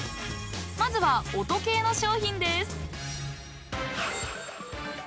［まずは音系の商品です］